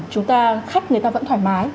chúng ta khách người ta vẫn thoải mái